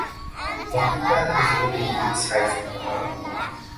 ของกินย่าน อนุสาวรีย์ชัยสมรภูมิ